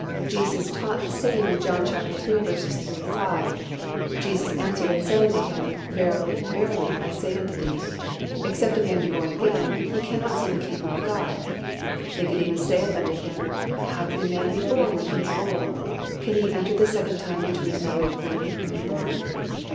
Jesus taught the same in John iii. 3 5, "Jesus answered and said unto him, Verily, verily, I say unto thee, Except a man be born again, he cannot see the kingdom of God. Nicodemus saith unto Him, How can a man be born when he is old? Can he enter the second time into his mother's womb and be born?